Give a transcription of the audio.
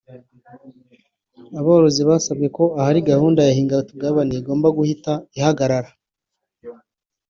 Aborozi basabwe ko ahari gahunda ya hingatugabane igomba guhita ihagarara